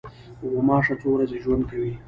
غوماشه څو ورځې ژوند کوي.